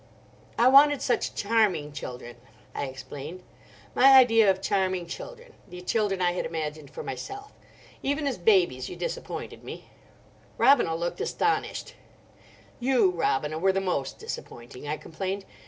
"I wanted such charming children," I explained—"my idea of charming children: the children I had imagined for myself. Even as babies you disappointed me." Robina looked astonished. "You, Robina, were the most disappointing," I complained.